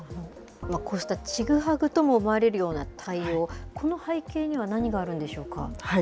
こうしたちぐはぐとも思われるような対応、この背景には何があるんでしょうか。